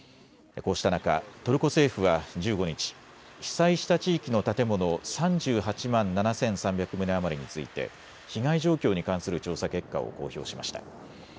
こうした中、トルコ政府は１５日、被災した地域の建物３８万７３００棟余りについて被害状況に関する調査結果を公表しました。